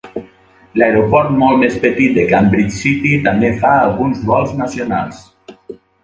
L'aeroport molt més petit de Cambridge City també fa alguns vols nacionals.